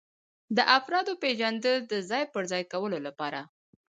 د افرادو پیژندل د ځای پر ځای کولو لپاره.